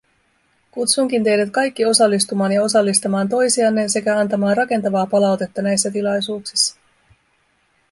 Kutsunkin teidät kaikki osallistumaan ja osallistamaan toisianne sekä antamaan rakentavaa palautetta näissä tilaisuuksissa.